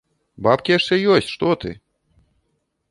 Бабкі яшчэ ёсць, што ты!